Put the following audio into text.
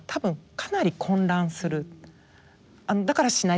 かなり混乱する。